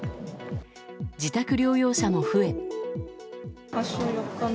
自宅療養者も増え。